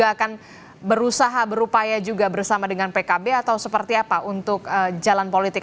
akan berusaha berupaya juga bersama dengan pkb atau seperti apa untuk jalan politik